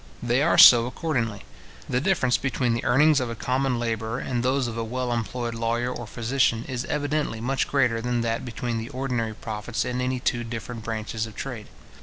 They are so accordingly. The difference between the earnings of a common labourer and those of a well employed lawyer or physician, is evidently much greater than that between the ordinary profits in any two different branches of trade.